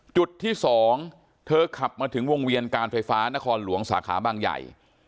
จุดที่๒เธอขับมาถึงวงเวียนการไฟฟ้านครหลวงสาขาบางใหญ่